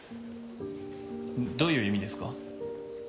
どういう意味ですか？